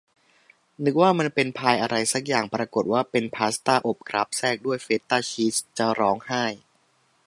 นึกว่ามันเป็นพายอะไรซักอย่าง ปรากฏว่าเป็นพาสต้าอบครับ แทรกด้วยเฟตต้าชีส จะร้องไห้